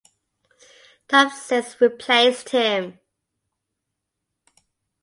Tom Sisk replaced him.